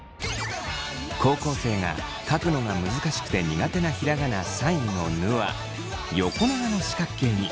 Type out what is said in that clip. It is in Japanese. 高校生が書くのが難しくて苦手なひらがな３位の「ぬ」は横長の四角形に。